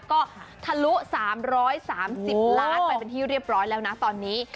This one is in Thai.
ก็ทะลุ๓๓๐ล้านไปเป็นที่เรียบร้อยแล้วนะตอนนี้